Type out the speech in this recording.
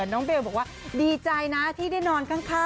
น้องเบลบอกว่าดีใจนะที่ได้นอนข้าง